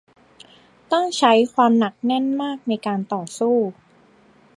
ต้องใช้ความหนักแน่นมากในการต่อสู้